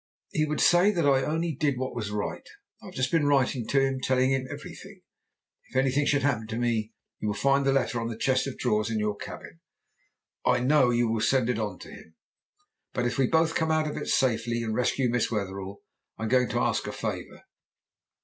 "He would say that I only did what was right. I have just been writing to him, telling him everything. If anything should happen to me you will find the letter on the chest of drawers in your cabin. I know you will send it on to him. But if we both come out of it safely and rescue Miss Wetherell I'm going to ask a favour."